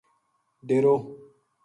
ڈیرو